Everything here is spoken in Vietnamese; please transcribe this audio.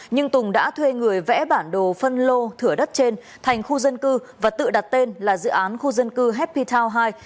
nhưng tùng đã thuê người vẽ bản đồ phân lô thửa đất trên thành khu dân cư và tự đặt tên là dự án khu dân cư happital hai